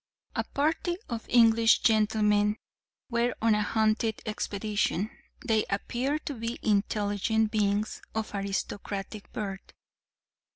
A party of English gentlemen were on a hunting expedition. They appeared to be intelligent beings of aristocratic birth.